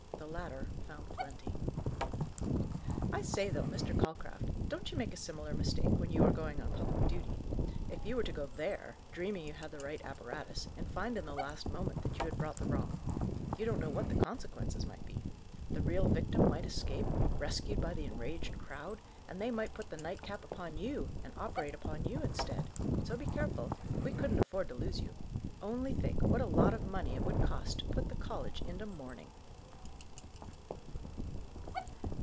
The latter found plenty. "I say, though, Mr. Calcraft, don't you make a similar mistake when you are going on public duty. If you were to go there, dreaming you had the right apparatus, and find, in the last moment, that you had brought the wrong, you don't know what the consequences might be. The real victim might escape, rescued by the enraged crowd, and they might put the nightcap upon you, and operate upon you instead! So, be careful. We couldn't afford to lose you. Only think, what a lot of money it would cost to put the college into mourning!"